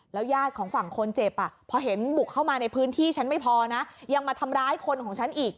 ญาติของฝั่งคนเจ็บพอเห็นบุกเข้ามาในพื้นที่ฉันไม่พอนะยังมาทำร้ายคนของฉันอีก